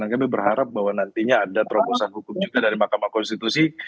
dan kami berharap bahwa nantinya ada terobosan hukum juga dari mahkamah konstitusi